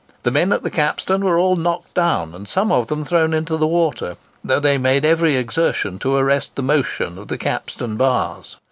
The men at the capstan were all knocked down, and some of them thrown into the water, though they made every exertion to arrest the motion of the capstan bars.